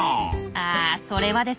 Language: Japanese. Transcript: あそれはですね